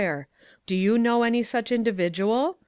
Do you know any such in dividual?